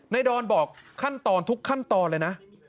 ดอนบอกขั้นตอนทุกขั้นตอนเลยนะ